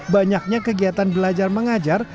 banyaknya kegiatan belajar mengajar